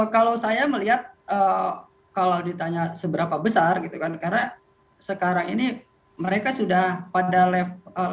kalau saya melihat kalau ditanya seberapa besar gitu kan karena sekarang ini mereka sudah pada level